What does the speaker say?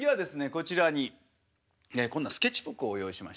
こちらにこんなスケッチブックを用意しました。